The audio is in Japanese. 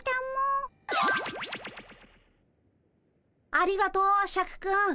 ありがとうシャクくん。